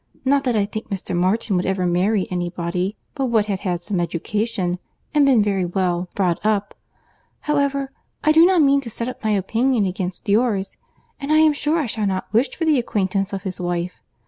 Not that I think Mr. Martin would ever marry any body but what had had some education—and been very well brought up. However, I do not mean to set up my opinion against yours—and I am sure I shall not wish for the acquaintance of his wife.